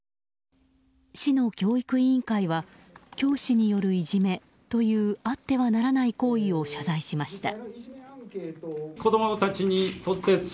市の教育委員会は教師によるいじめというあってはならない行為を謝罪しました。